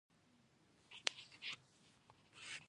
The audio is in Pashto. کلي د افغانانو ژوند په بېلابېلو برخو اغېزمنوي.